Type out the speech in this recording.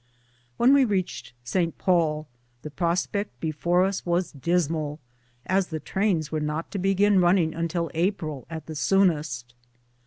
253 CHAPTER XXVIII. When we readied St. Paul the prospect before ns was dismal, as the trains were not to begin running un til April, at the soonest.